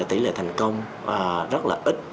tỷ lệ thành công rất là ít